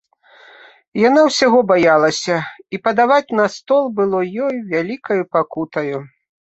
Яна ўсяго баялася, і падаваць на стол было ёй вялікаю пакутаю.